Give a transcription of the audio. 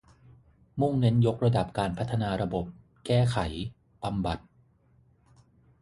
มุ่งเน้นยกระดับการพัฒนาระบบ แก้ไข บำบัด